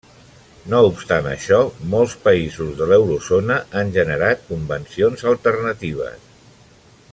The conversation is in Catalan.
No obstant això, molts països de l'Eurozona han generat convencions alternatives.